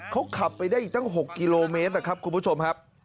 เขาขับไปได้อีกตั้ง๖กิโลเมตรนะครับคุณผู้ชมครับ